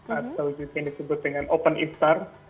atau yang disebut dengan open iftar